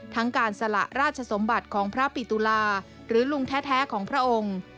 ทั้งการสละราชสมบัติของพระปิตุลาหรือลุงแท้ของพระองค์